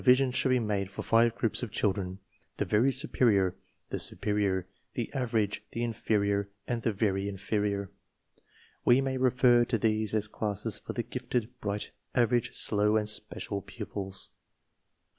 THE PROBLEM 19 I sion shou ld be made f or five groups o f children : the very superior, the superior, the average, thelnTeri^r, and the very inferior. We may refer to these as classes for the "gifted," "bright," "average," "slow," and "special" , pupils.